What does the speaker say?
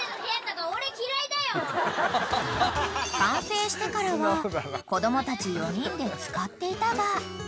［完成してからは子供たち４人で使っていたが］